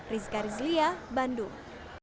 rizka rizlia bandung